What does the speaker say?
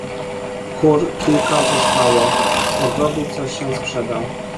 "Kur kilka zostało... z ogrodu się coś sprzeda..."